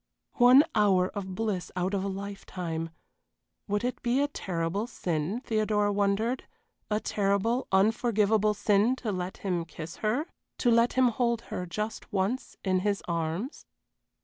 One hour of bliss out of a lifetime! Would it be a terrible sin, Theodora wondered, a terrible, unforgivable sin to let him kiss her to let him hold her just once in his arms.